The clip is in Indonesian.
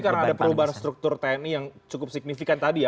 karena ada perubahan struktur tni yang cukup signifikan tadi ya